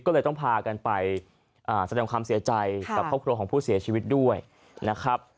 ก็เลยต้องพากันไปแสดงความเสียใจกับครอบครัวของผู้เสียชีวิตด้วยนะครับ